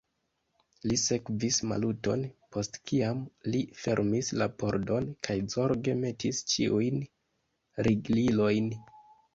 Li sekvis Maluton, post kiam li fermis la pordon kaj zorge metis ĉiujn riglilojn.